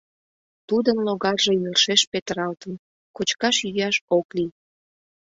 Тудын логарже йӧршеш петыралтын, кочкаш-йӱаш ок лий.